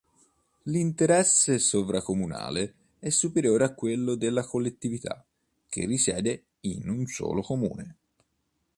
L'interesse sovracomunale è superiore a quello della collettività che risiede in un solo comune.